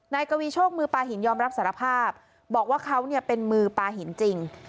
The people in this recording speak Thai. กวีโชคมือปลาหินยอมรับสารภาพบอกว่าเขาเป็นมือปลาหินจริง